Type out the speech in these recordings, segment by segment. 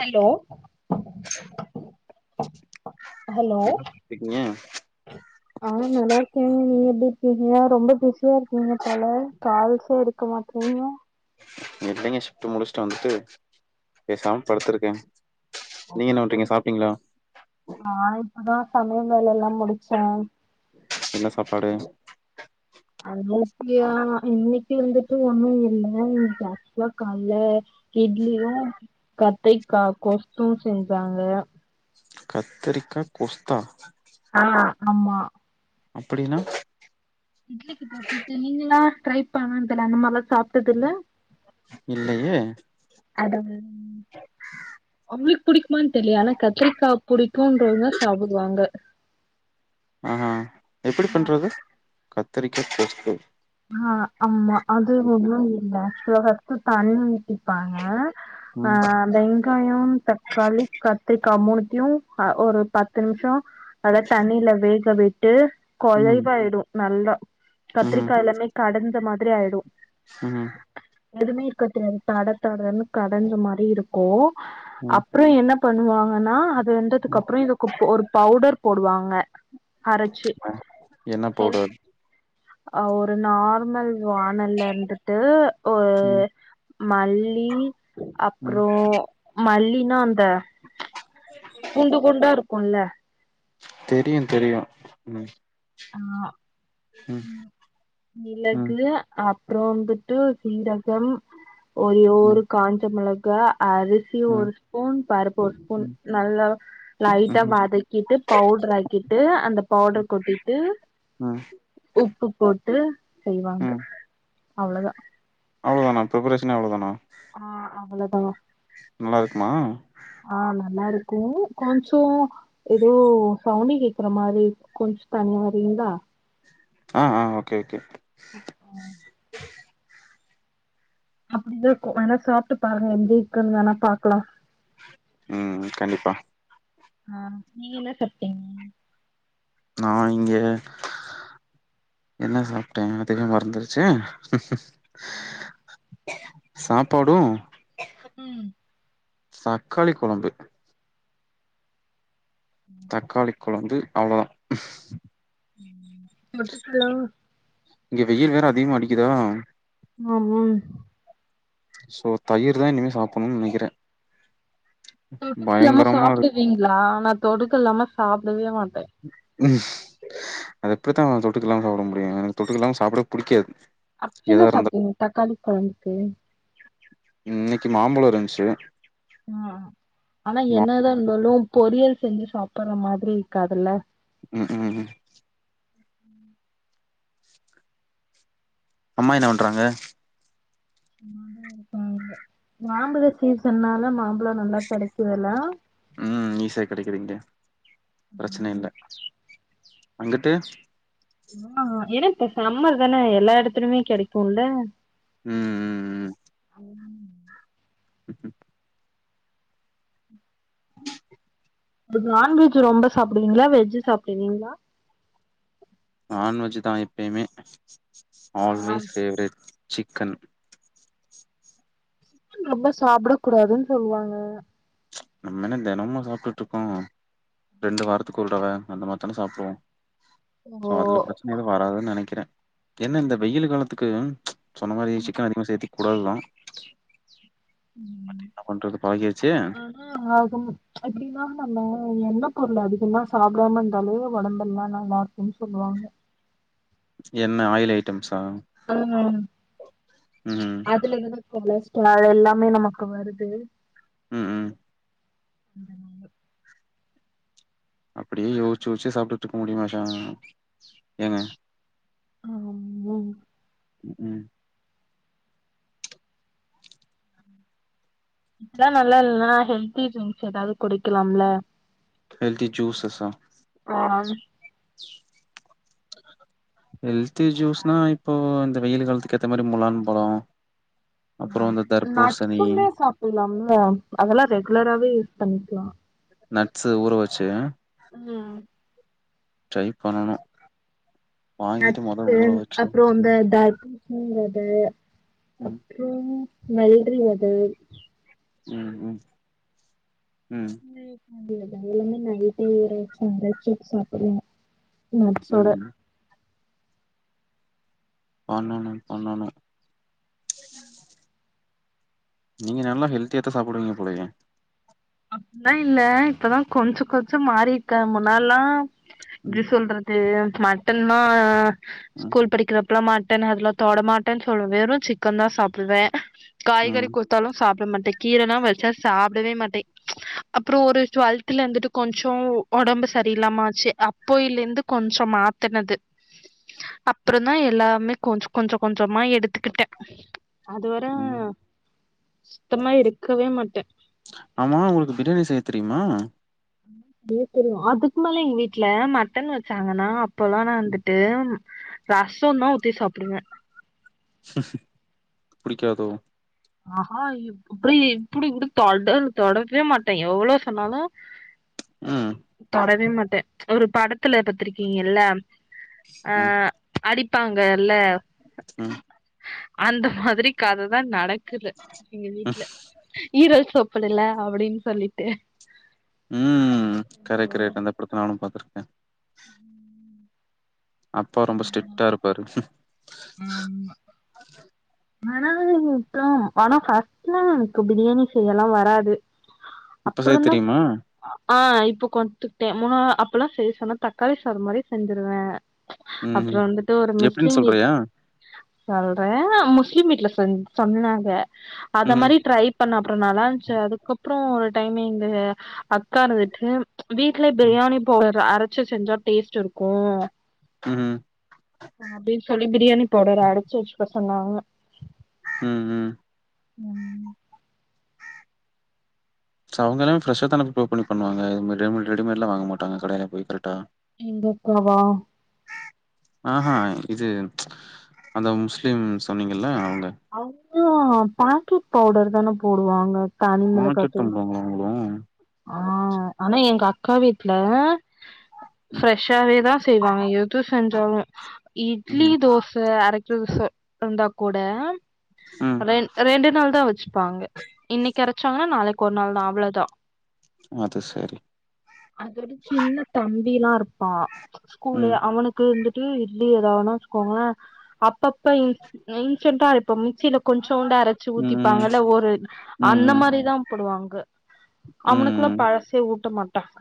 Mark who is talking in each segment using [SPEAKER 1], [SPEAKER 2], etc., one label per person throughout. [SPEAKER 1] Hello hello
[SPEAKER 2] என்ன பண்ணிட்ருக்கீங்க
[SPEAKER 1] ஆஹ் நல்லா இருக்கேன் நீங்க எப்பிடிருக்கீங்க ரொம்ப பிசியா இருக்கீங்க போல கால்சே எடுக்க மாட் சொல்லுங்க
[SPEAKER 2] இல்லைங்க ஷிப்ட் முடிச்சுட்டு வந்துட்டு பேசாம படுத்துருக்கேன் நீங்க என்ன பண்றீங்க சாப்டீங்களா
[SPEAKER 1] அதான் சமையல் வேலையெல்லாம் முடிச்சேன்
[SPEAKER 2] என்ன சாப்பாடு
[SPEAKER 1] அன்னைத்தியா இன்னைக்கு வந்துட்டு ஒண்ணும் இல்லை ஜாஸ்தியா காலைல இட்லியும் கத்தைக்காய கொஸ்தும் செஞ்சாங்க
[SPEAKER 2] கத்தரிக்கா கொஸ்தா
[SPEAKER 1] ஆஹ் ந மா
[SPEAKER 2] அப்படின்னா
[SPEAKER 1] இட்லிக்கு தொட்டுக்க நீங்களாம் ட்ரை பண்ணதில அந்த மாதிரிலாம் சாப்பிட்டது இல்ல
[SPEAKER 2] இல்லையே
[SPEAKER 1] அவங்களுக்கு பிடிக்குமானு தெரிய ஆனா கத்திரிக்காய் புடிக்கும்ன்றவங்க சாப்பிடுவாங்க
[SPEAKER 2] ம்ம் எப்படி பண்றது கத்தரிக்கா பேஸ்தோ
[SPEAKER 1] அஹ் ஆம்மா அது ஒண்ணு [unintelligible] நேச்சுரலா தான் இருக்கு தன் இருப்பாங்க ஆ
[SPEAKER 2] ம்
[SPEAKER 1] வெங்காயம் தக்காளி கத்திரிக்கா மூணு நோ ஆ ஒரு பத்து நிமிஷம் அதல தண்ணில வேகவை ட்டு குலைவாயிடும் நல்லா
[SPEAKER 2] ம்ம்
[SPEAKER 1] கத்திரிக்கா எல்லாமே கடந்த மாதிரி ஆயிடும்
[SPEAKER 2] ம்
[SPEAKER 1] எதுவுமே இருக்கத்த தட தடன்ன கடைஞ்ச மாதிரி இருக்கு கோ
[SPEAKER 2] ம்
[SPEAKER 1] அப்புறம் என்ன பண்ணுவாங்கன்னா வெந்ததுக்கு அப்புறம் இது ஒரு பவுடர் போடுவாங் [unintelligible]
[SPEAKER 2] உம் என்ன பவுடர்
[SPEAKER 1] அ ஒரு நா ம்மல் வானல்ல இருந்துட்டு உ
[SPEAKER 2] ம்
[SPEAKER 1] மல்லி
[SPEAKER 2] ம்
[SPEAKER 1] அப்புறொ மல்லி இன்னு அந்த குண்டு குண்டா இருக்குல்ல
[SPEAKER 2] தெரியும் தெரியும் உம்
[SPEAKER 1] ஆஹ்
[SPEAKER 2] ம் ம்
[SPEAKER 1] மிளகு அப் அப்றொ வந்துட்டு சீரகம் ஒரே
[SPEAKER 2] ம்
[SPEAKER 1] ஒரு காஞ்சமொளக் கா அரிசி
[SPEAKER 2] ம்
[SPEAKER 1] ஒரு ஸ்பூன் பருப்பு ஒரு ஸ்பூன்
[SPEAKER 2] ம்
[SPEAKER 1] நல்லா லைட்டா வதக்கிட்டு பவுடர் ஆக்கிட்டு அந்த பவுடர் கொட்டி ப்பு
[SPEAKER 2] ம்
[SPEAKER 1] உப்பு போட் புட்டு செய்வாங்க
[SPEAKER 2] ம்
[SPEAKER 1] அவ்வளோதான்
[SPEAKER 2] அவ்ளோதானா பிரிப்பரேஷனே அவ்ளோதானா
[SPEAKER 1] ஆஹ்
[SPEAKER 2] நல்லா இருக்குமா
[SPEAKER 1] கு கொஞ்சோ ஏதோ சவுனிக் கேக்குற மாரி கொஞ்சு தனியா வரீங்களா
[SPEAKER 2] ஆஹ் ஆஹ் ஓகே ஓகே
[SPEAKER 1] அப்படிதான்க்கும் வேணா சாப்ட்டு பாருங்க எப்படி இருக்குன்னு வேணா பாக்கலா
[SPEAKER 2] உம் கண்டிப்பா
[SPEAKER 1] ஆஹ் நீங்க என்ன சாப்டீங்க
[SPEAKER 2] நான் இங்க என்ன சாப்ட்டேன் அதுவே மறந்துருச்சே ஹ்ம் ஹ்ம் சாப்பாடும்
[SPEAKER 1] ம்
[SPEAKER 2] தக்காளி கொழம்பு தக்காளி கொழந்து அவ்ளோ தா
[SPEAKER 1] [inaudible]
[SPEAKER 2] இங்க வெயில் வேற அதிகமா அடிக்குதா
[SPEAKER 1] ஆமா
[SPEAKER 2] சோ தயிர் தா இனிமே சாப்பட்ணுன் நெனைக்கறே
[SPEAKER 1] தொட்டுட்டுக்க இல்லாம சாப்டுவீங்களா நா தொடுக்க இல்லாம சாப்டவே மாட்
[SPEAKER 2] அது எப்படித்தா தொட்டுக்கில்லாம சாப்பிட முடியுங்க எனக்கு தொட்டுக்கில்லாம சாப்டவே புடிக்காது
[SPEAKER 1] அப்டி என்ன
[SPEAKER 2] எதா இருந்தாலு
[SPEAKER 1] சாப்ட்டீங்க தக்காளி கொழம்புக்கு
[SPEAKER 2] இன்னைக்கு மாம்பழோ இருந்ச்சு
[SPEAKER 1] ஆ ஆனா என்னதா இருந்தாலு பொரியல் செஞ்சு சாப் பற மாரி இருக்காதுல்ல
[SPEAKER 2] உம் ம் அம்மா என்ன பண்றாங்க
[SPEAKER 1] மாம்பழ சீசன்னால மாம்ப அவ்ளோ நல்லா கெடைக்குதல்லாம்
[SPEAKER 2] பிரச்சனை இல்ல அங்கிட்டு
[SPEAKER 1] ஆ ஏன்னா இப்ப சம்மர் தானே எல்லா எடத்துலுமே கெடைக்கும்ல
[SPEAKER 2] உம்ம்
[SPEAKER 1] உங்களுக்கு நான்வெஜ் ரொம்ப சாப்பிடுவீங்களா வெஜ் சாப்பிடுவீங்களா
[SPEAKER 2] நான்வெஜ் தா எப்பயுமே ஆல்வேஸ் ஃபேவரட் சிக்கன்
[SPEAKER 1] சிக்கன் ரொம்ப சாப்புட கூடாதுன்னு சொல்லுவாங்க
[SPEAKER 2] நம்மென்னா தெனமுமா சாப்டுட்டு இருக்கோ ரெண்டு வாரத்துக்கு ஒரு தடவ அந்த மாரி தான சாப்பிடுவோ சோ
[SPEAKER 1] ஓ
[SPEAKER 2] அதுல பிரச்சன எதுவு வராதுன்னு நெனைக்கிறே என்ன இந்த வெயில் காலத்துக்கு சொன்ன மாரி சிக்கன் அதிக சேத்திக் கூடாது தா பட் என்னா பண்றது பழகிருச்சே
[SPEAKER 1] ஆ ஆகும் எப்டின்னா நம்ம எண்ண பொருள அதிகமா சாப்பிடாம இருந்தாலே ஒடம்பெல்லா நல்லா இருக்குனு சொல்லுவாங்க
[SPEAKER 2] என்ன ஆயில் ஐட்டம்ஸ்
[SPEAKER 1] உம்ம்
[SPEAKER 2] ம்
[SPEAKER 1] அதுல வந்து கொலஸ் ட்ரோல் எல்லாமே நமக்கு வருது
[SPEAKER 2] உம் உம்
[SPEAKER 1] ம்ம்
[SPEAKER 2] அப்டியே யோசிச்சு யோசிச்சு சாப்டுட்டு இருக்க முடியுமா சா ஏங்க
[SPEAKER 1] ஆ உம்
[SPEAKER 2] உம்
[SPEAKER 1] இதெல்லா நல்லா இல்லன்னா ஹெல்தி ட்ரிங்க்ஸ் ஏதாவது குடிக்கலாம்ல
[SPEAKER 2] ஹெல்தி ஜூஸஸ் ஆ [inaudible]
[SPEAKER 1] ஆ,
[SPEAKER 2] ஹெல்தி ஜூஸ்னா இப்போ இந்த வெயில் காலத்துக்கு ஏத்த மாரி முளான் பழொ
[SPEAKER 1] நா நட்சுந்த சாப்பிடலாம்ல அதெல்லா ரெகுலராவே யூஸ் பண்ணிக்லா
[SPEAKER 2] நட்ஸு ஊற வச்சு
[SPEAKER 1] உஹ்
[SPEAKER 2] ட்ரை பண்ணனு வாங்கிட்டு மொத
[SPEAKER 1] நட்ஸூ
[SPEAKER 2] ஊற வச்சு
[SPEAKER 1] அப்புறோ அந்த
[SPEAKER 2] ம்
[SPEAKER 1] தர்பூச் ணி வெத
[SPEAKER 2] ம்
[SPEAKER 1] அப்புறோ நல்றி வெதை
[SPEAKER 2] உம் உம் உம்
[SPEAKER 1] இதுலது எல்லாமே நைட்டே ஊர வெச்சு [unintelligible] சாப்பிடலா நட்ஸ் ஓட
[SPEAKER 2] ம் பண்ணனு பண்ணனு
[SPEAKER 1] உம்
[SPEAKER 2] நீங்க நல்லா ஹெல்த்தியாத்தா சாப்டுவீங்க போலயே
[SPEAKER 1] அப்புட்லா இல்ல இப்பதா கொஞ்ச கொஞ்ச மாரி இருக்கே முன்னால்லா இது
[SPEAKER 2] ம்
[SPEAKER 1] சொல்றது மட்டன்னா
[SPEAKER 2] ம்
[SPEAKER 1] ஸ்கூல் படிக்கிறப் பலா மாட்டனு அதுல தொட மாட்டேன் சொல்லுவ வெறு சிக்கன் தா சாப்டுவே காய்கறி
[SPEAKER 2] ம்
[SPEAKER 1] குடுத்தாலு சாப்ட மாட் டே கீரலா வச்சா சாப்டவே மாட்டே அப்றோ ஒரு டுவெல்த்துல இருந்துட்டு கொஞ்ச ஒடம்பு சரியில்லாம ஆச்சு அப்பைல இருந்து கொஞ்ச மாத்துனது அப்றோ தா எல்லாமே கொஞ்ச கொஞ்ச கொஞ்சமா எடுத்துக்கிட்டே அது வர
[SPEAKER 2] ம்
[SPEAKER 1] சுத்தமா இருக்கவே மாட்டே
[SPEAKER 2] ஆமா உங்களுக்கு பிரியாணி செய்ய தெரிய்மா
[SPEAKER 1] உம் தெரியு அதுக்கு மேல எங்க வீட்ல மட்டன் வச்சாங்கனா அப்போலா நா வந்துட்டு ரச தா ஊத்தி சாப்பிடுவே
[SPEAKER 2] புடிக்காதோ
[SPEAKER 1] ஆஹா இப் இப்டி இப்டி கூட தொடன் தொடவே மாட்டே எவ்ளோ சொன்னாலு
[SPEAKER 2] ம்
[SPEAKER 1] தொடவே மாட் டே ஒரு படத்துல பாத்திருக்கீங்களா ஆஹ் அடிப் பாங்கல்ல
[SPEAKER 2] உம்
[SPEAKER 1] அந்த மாதிரி கததா நடக் குது எங்க வீட்ல ஈரல் சாப் சுடலா அப்டின் சொல்லிட்டு
[SPEAKER 2] உம் கரெக்ட் கரெக்ட் அந்த படத்த நானு பாத்துருக் கே அப்பா ரொம்ப ஸ்ட்ரிக்டா இருப்பாரு
[SPEAKER 1] ஆமா மனதை விட்டு வானா ஃபர்ஸ்ட்லா எனக்கு பிரியாணி செய்யலா வராது
[SPEAKER 2] இப்ப செய்ய
[SPEAKER 1] அப்றந்தா
[SPEAKER 2] தெரியுமா
[SPEAKER 1] ஆஹ் இப்ப கொத்துக்ட்டே என்னனா அப்பலா செய்ய சொன்னா தக்காளி சாத மாரியே செஞ்சிருவே அப்ற
[SPEAKER 2] ம்
[SPEAKER 1] வந்துட்டு ஒரு
[SPEAKER 2] எப்டின்னு
[SPEAKER 1] முஸ்லிம் வீட்
[SPEAKER 2] சொல்றியா
[SPEAKER 1] சொல்றே முஸ்லிம் வீட்ல சொன் சொன்னாங்க அத
[SPEAKER 2] ம்
[SPEAKER 1] மாரி
[SPEAKER 2] ம்
[SPEAKER 1] ட்ரை பண்ண அப்ற நல்லா இருந்ச்சு அதுக்கப்றோ டைமே இந்தது ஹா அக்கா இருந்துட்டு வீட்லயே பிரியாணி போடறா அர பச்சை செஞ்சா டேஸ்ட் இருக்கும்
[SPEAKER 2] ம்ஹ்ம்.
[SPEAKER 1] ஆஹ் அப்டின்னு சொல்லிட்டு பிரியாணி பவுடர் அரச்சு வச்சுக்க சொன்னாங்க
[SPEAKER 2] ஹ்ம் ஹ்ம்
[SPEAKER 1] உம்
[SPEAKER 2] ச அவங்க எல்லாமே ஃப்ரஷ்ஷா தான ப்ரிப்பர் பண்ணி பண்ணுவாங்க ரெடிமேட்லாம் வாங்க மாட்டாங்க கடையில் போய் கரெக்ட்டா
[SPEAKER 1] எங்க அக்காவா
[SPEAKER 2] ஆஹா இது அந்த முஸ்லீம் சொன்னீங்கல்ல
[SPEAKER 1] [inaudible] பாக்கெட் பவுடரு தான போடுவாங்க
[SPEAKER 2] [unintelligible] பண்றாங்களா உங்கள
[SPEAKER 1] ஆஹ் ஆனா எங்க அக்கா வீட்டுல
[SPEAKER 2] ம்
[SPEAKER 1] ஃப்ரெஷ்ஷாவே தா செய்வாங்க எது செஞ்சாலு இட்லி
[SPEAKER 2] ம்
[SPEAKER 1] தோச அரைக் [unintelligible] இருந்தா கூட
[SPEAKER 2] ம்
[SPEAKER 1] ரெண் ரெண்டு நாள் தா வச்சிப்பாங்க இன்னைக் அரை ச்சாங்கன்னா நாளைக் ஒரு நாள் தா அவ்ளோதா
[SPEAKER 2] அது சரி
[SPEAKER 1] அதோடு சின்ன தம் பிலா இருப்பா ஸ்கூலு
[SPEAKER 2] ம்
[SPEAKER 1] அவுனுக்கு வந்துட் டு இட்லி ஏதாவுதுனா வச்சுக்கோங்கள அப்பப்ப இன் இன்ஸ்டன்ட்டா அரைப்போ மீ க்ஸிலா கொஞ்சோண்டா அரைச்சு
[SPEAKER 2] ம்
[SPEAKER 1] ஊத்திப்பாங்கல்ல ஒரு
[SPEAKER 2] ம் ம்
[SPEAKER 1] அந்த
[SPEAKER 2] ம்
[SPEAKER 1] மாரிதா போடுவாங்க அவ்னுக்குள்ள பழசே ஊட்ட மாட்டாங்க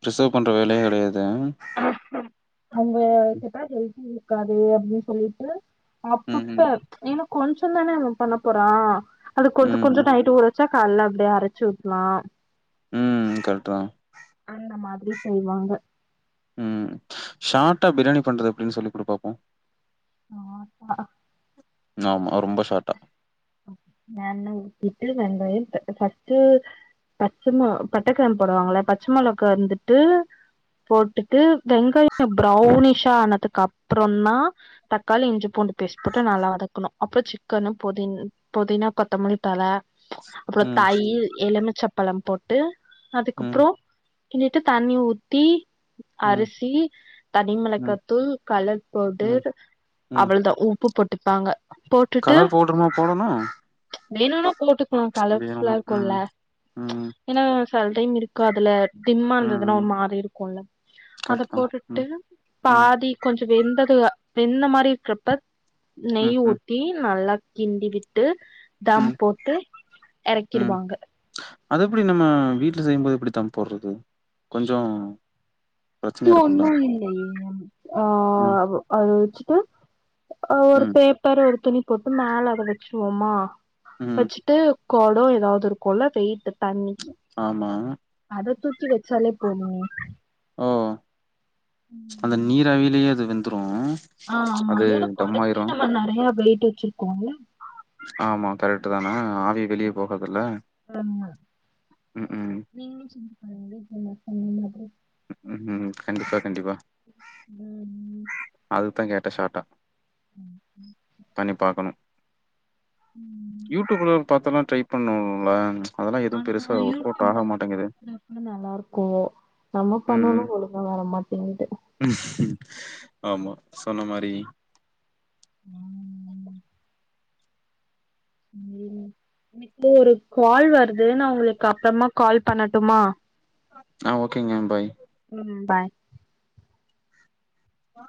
[SPEAKER 2] பிரஷவ் பண்ற வேலையே கெடையது ம்
[SPEAKER 1] உங்க கிட்டா ஹெல்த்தி இருக்காது அப்டின் சொல்லிட்டு
[SPEAKER 2] ம் ம்
[SPEAKER 1] அப்பப்ப என்னா கொஞ்சந் தான நம்ம பண்ண போறோ அது கொஞ்ச
[SPEAKER 2] ம்
[SPEAKER 1] கொஞ்ச
[SPEAKER 2] ம்
[SPEAKER 1] நைட்டு ஊற வச்சா காலல அப்படியே அரைச்சு ஊத்லா
[SPEAKER 2] உம் கரெக்ட் தா
[SPEAKER 1] அந்த மாதிரி செய்வாங்க
[SPEAKER 2] உம் ஷாட்டா பிரியாணி பண்றது எப்பிடின்னு சொல்லி குடு பாப்போ
[SPEAKER 1] ஷாட்டா
[SPEAKER 2] ஆமா ரொம்ப ஷாட்டா
[SPEAKER 1] எண்ணெ ஊத்திட்டு வெங்காய ஃபஸ்ட்டு பச்சை பட்டைக்கிராம்பு போடுவாங்கள பச்ச மொளகா வந்துட்டு போட்டுட்டு வெங்காய ப்ரௌனிஷா ஆனதுக்கு அப்புறந்தா தக்காளி இஞ்சி பூண்டு பேஸ்ட் போட்டு நல்லா வதக்கணு அப்புற சிக்கனும் பு புதினா கொத்த மல்லி தல அப்புறம்
[SPEAKER 2] ம்
[SPEAKER 1] தயிர் எலுமச்சப் பலம் போட்டு
[SPEAKER 2] ம்
[SPEAKER 1] அதுக்கப்புறம் என்னிட்டு தண்ணி ஊத்தி
[SPEAKER 2] ம்
[SPEAKER 1] அரிசி தனி
[SPEAKER 2] ம்
[SPEAKER 1] மிளகாத்தூள் கலர்
[SPEAKER 2] ம்
[SPEAKER 1] பவுடர்
[SPEAKER 2] ம்
[SPEAKER 1] அவ்வளதான் உப் உப்பு போட்டுப்பாங்க
[SPEAKER 2] கலர் பவுடர்ருமா போடணும்
[SPEAKER 1] நீன போட்டுக்கலாம் கலர்ஃபுல்லா
[SPEAKER 2] வேணும்னா
[SPEAKER 1] இருக்கும்ல்ல
[SPEAKER 2] ம் ம்
[SPEAKER 1] ஏன்னா சில டைம் இருக்கு அதுல
[SPEAKER 2] ம்
[SPEAKER 1] டிம்மதுன்னா
[SPEAKER 2] ம்
[SPEAKER 1] ஒரு மாதறி இருக்கும்ல்ல அத
[SPEAKER 2] கரெக்ட் தான் ம்
[SPEAKER 1] போட்டுட்டு
[SPEAKER 2] ம்
[SPEAKER 1] பாதி கொஞ்சம் வெந்தது இப்ப இந்த மாதிரி இருக்கப்ப
[SPEAKER 2] ம்
[SPEAKER 1] நெய்
[SPEAKER 2] ம்
[SPEAKER 1] ஊத்தி நல்லா கிண்டி விட் ட்டு தம்
[SPEAKER 2] ம்
[SPEAKER 1] போட்டு
[SPEAKER 2] ம்
[SPEAKER 1] எறக்கிடுவாங்க
[SPEAKER 2] அது எப்படி நம்ம வீட்டுல செய்யும்போது எப்படி தம் போடுறது கொஞ்சோம்
[SPEAKER 1] இது ஒன்னும் இல்லையே
[SPEAKER 2] ம்
[SPEAKER 1] அஹ் அது வெச் உ ஒரு
[SPEAKER 2] ம்
[SPEAKER 1] பேப்பர் ஒரு துணி போட்டு மேல அத வெச்சிடுவோமா
[SPEAKER 2] ம்
[SPEAKER 1] வெச்சுட்டு கொடம் ஏதாவது இருக்கும்ல்ல வெயிட்டு தண்ணி
[SPEAKER 2] ஆமா
[SPEAKER 1] அததுத்து கி வெச்சாலே போதும்
[SPEAKER 2] ஓ அந்த நீர்ராவியிலேயே அது வெந் துரும்
[SPEAKER 1] ஆஹ் மையல கொடத்துலேயே நம்ம நறைய போய்டிட்டு வெச்சிருக்கோம்ள
[SPEAKER 2] ஆமா கரெக்ட் தானா ஆவிய வெளியே போக ல
[SPEAKER 1] ஆ
[SPEAKER 2] உம் உம்
[SPEAKER 1] [unintelligible] சொன்ன மாரி
[SPEAKER 2] உம் உம் கண்டிப்பா கண்டிப்பா
[SPEAKER 1] உம்
[SPEAKER 2] அதுக்குதான் கேட்ட ஷாட்டா பண்ணி பாக்கணும்
[SPEAKER 1] ம்
[SPEAKER 2] யூடியூப்ல பாத்தன்னா ட்ரை பண்ணுங்களா
[SPEAKER 1] ஆனா யூடியூப்ல பாக்குறப்ப நல்லா இருக்கு நம்ம
[SPEAKER 2] ம்
[SPEAKER 1] பண்ணாலு
[SPEAKER 2] ம்
[SPEAKER 1] ஒழுங்கா வேலைமாட்டேங்குது
[SPEAKER 2] ஆமா சொன்ன மாதிரி
[SPEAKER 1] உஹம் எனக்கு ஒரு கால் வருது நான் உங்களுக்கு அப்புறமா கால் பண்ணட்டுமா
[SPEAKER 2] ஆஹ் ஓகேங்க பாய்
[SPEAKER 1] ம் பாய்
[SPEAKER 2] ஹ